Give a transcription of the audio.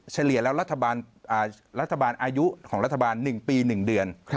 เฉลี่ยแล้วรัฐบาลอายุของรัฐบาล๑ปี๑เดือน